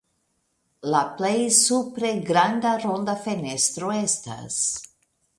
La plej supre granda ronda fenestro estas.